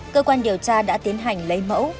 cơ quan điều tra đã tiến hành lấy mẫu